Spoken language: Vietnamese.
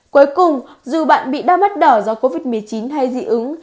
cuối cùng dù bạn bị đau mắt đỏ do covid một mươi chín hay dị ứng